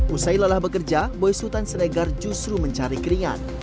usai lelah bekerja boy sultan siregar justru mencari keringat